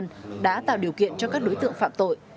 những người dân đã tạo điều kiện cho các đối tượng phạm tội